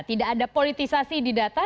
tidak ada politisasi di data